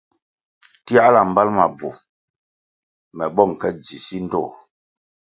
Tiahla mbal ma bvu me bong ke dzi si ndtoh.